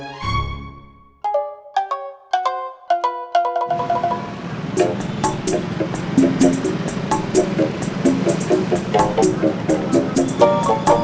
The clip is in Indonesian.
agak ting injustice